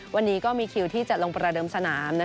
วันนี้ก็มีคิวที่จะลงประเดิมสนาม